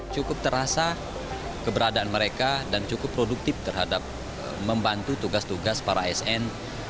cukup terasa keberadaan mereka dan cukup produktif terhadap membantu tugas tugas para asn